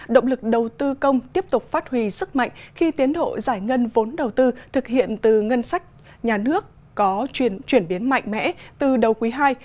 động lực đầu tư công tiếp tục phát huy sức mạnh khi tiến độ giải ngân vốn đầu tư thực hiện từ ngân sách nhà nước có chuyển biến mạnh mẽ từ đầu quý ii